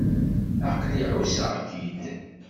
Aql-i εusseɣ-k-id.